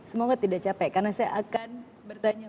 semoga tidak capek karena saya akan bertanya